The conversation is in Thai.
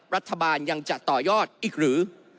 รัฐบาลยังจะต่อยอดอีกหรือ